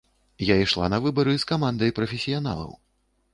Я ішла на выбары з камандай прафесіяналаў.